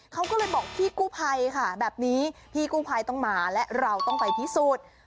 เขาก็เลยบอกพี่กู้ภัยค่ะแบบนี้พี่กู้ภัยต้องมาและเราต้องไปพิสูจน์